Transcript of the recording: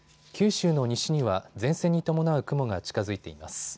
九州の西には前線に伴う雲が近づいています。